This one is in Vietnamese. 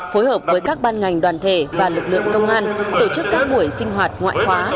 phối hợp với các ban ngành đoàn thể và lực lượng công an tổ chức các buổi sinh hoạt ngoại khóa